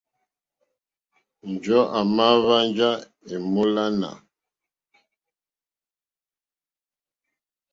Njɔ̀ɔ́ àmà hwánjá èmólánà.